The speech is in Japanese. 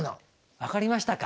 分かりましたか？